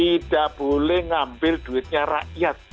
tidak boleh ngambil duitnya rakyat